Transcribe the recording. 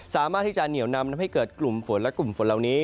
สามารถที่จะเหนียวนำทำให้เกิดกลุ่มฝนและกลุ่มฝนเหล่านี้